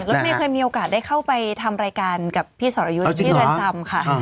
เมย์เคยมีโอกาสได้เข้าไปทำรายการกับพี่สรยุทธ์ที่เรือนจำค่ะ